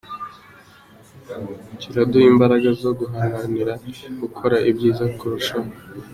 Ati” Kiraduha imbaraga zo guharanira gukora ibyiza kurushaho.